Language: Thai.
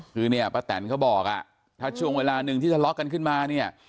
คือเนี่ยป้าแตนเขาบอกอ่ะถ้าช่วงเวลาหนึ่งที่ทะเลาะกันขึ้นมาเนี่ย